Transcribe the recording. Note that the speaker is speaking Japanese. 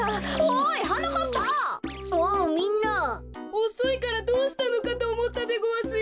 おそいからどうしたのかとおもったでごわすよ。